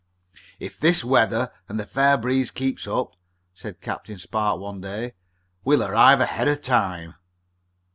"If this weather and the fair breezes keep up," said Captain Spark one day, "we'll arrive ahead of time."